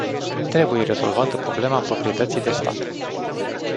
Trebuie rezolvată problema proprietății de stat.